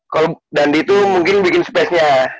kalo dandi tuh mungkin bikin space nya